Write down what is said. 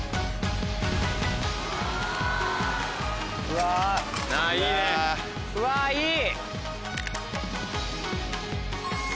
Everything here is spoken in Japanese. うわっいい！